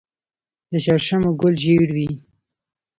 د شړشمو ګل ژیړ وي.